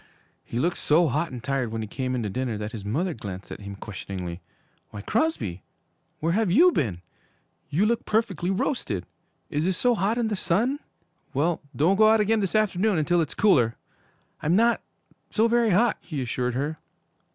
He looked so hot and tired when he came in to dinner, that his mother glanced at him questioningly. 'Why, Crosby, where have you been? You look perfectly roasted. Is is so hot in the sun? Well, don't go out again this afternoon until it's cooler.' 'I'm not so very hot,' he assured her.